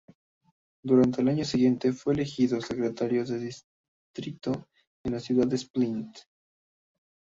Durante el año siguiente fue elegido secretario de distrito de la ciudad de Split.